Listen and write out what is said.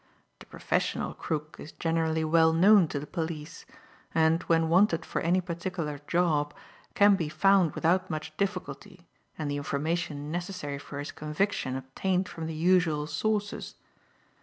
The professional 'crook' is generally well known to the police, and, when wanted for any particular 'job,' can be found without much difficulty and the information necessary for his conviction obtained from the usual sources.